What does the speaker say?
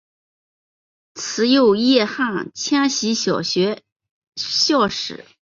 慈幼叶汉千禧小学校史